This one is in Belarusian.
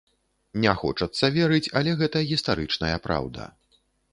Не хочацца верыць, але гэта гістарычная праўда.